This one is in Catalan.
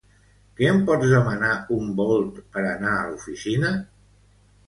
Que em pots demanar un Bolt per anar a l'oficina?